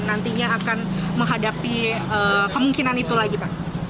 nantinya akan menghadapi kemungkinan itu lagi pak